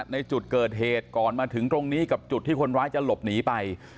ในจุดเกิดเหตุก่อนมาถึงตรงนี้กับจุดที่คนร้ายจะหลบหนีไป